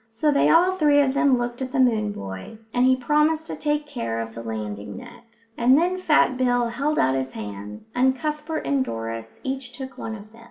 So they all three of them looked at the moon boy, and he promised to take care of the landing net; and then Fat Bill held out his hands, and Cuthbert and Doris each took one of them.